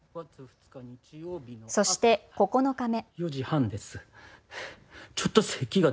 そして９日目。